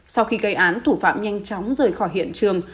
sau khi gây án thủ phạm nhanh chóng rời khỏi hiện trường